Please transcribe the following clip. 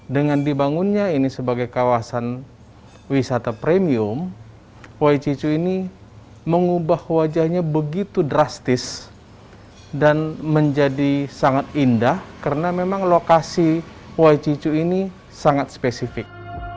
dengan dibangunnya ini sebagai kawasan wisata premium wai cicu ini mengubah wajahnya begitu drastis dan menjadi sangat indah karena memang lokasi wai cicu ini sangat spesifik